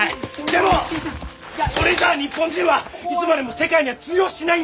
でもそれじゃあ日本人はいつまでも世界には通用しないんだよ！